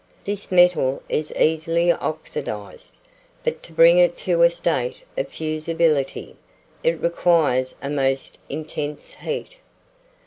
This metal is easily oxidized, but to bring it to a state of fusibility, it requires a most intense heat.